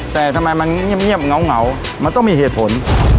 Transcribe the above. แต่ทำไมมันเงียบเหงามันต้องมีเหตุผล